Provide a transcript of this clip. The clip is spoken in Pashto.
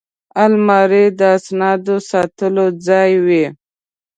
الماري د اسنادو ساتلو ځای وي